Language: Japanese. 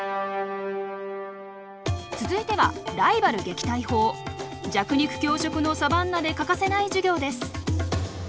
続いては弱肉強食のサバンナで欠かせない授業です。